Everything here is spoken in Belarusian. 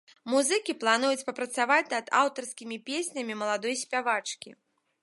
Музыкі плануюць папрацаваць над аўтарскімі песнямі маладой спявачкі.